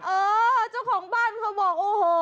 เออเจ้าของบ้านเขาบอกโอ้โห